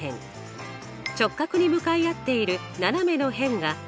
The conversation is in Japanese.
直角に向かい合っている斜めの辺が斜辺です。